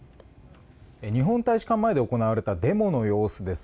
日本大使館前で行われたデモの様子です。